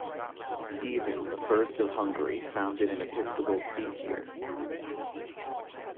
Stephen the First of Hungary founded an episcopal seat here.